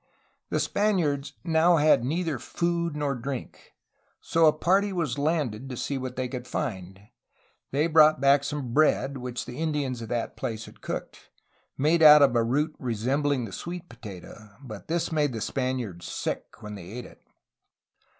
The Spaniards now had neither food nor drink; so a party was landed to see what they could find. They brought back some bread which the Indians of that place had cooked, made out of a root resembfing the sweet potato, but this made the Spaniards sick when they ate it.